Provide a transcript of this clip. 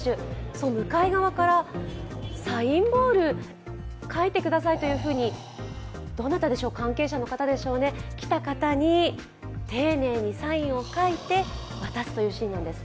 その向かい側からサインボール、書いてくださいと、どなたでしょう、関係者の方でしょうね、来た方に丁寧にサインを書いて渡すシーンなんです。